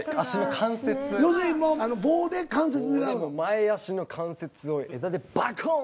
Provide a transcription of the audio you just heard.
前足の関節を枝でバコーン！